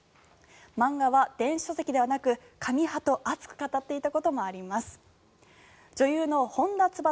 漫画は電子書籍ではなく紙派と熱く語っていたこともあります。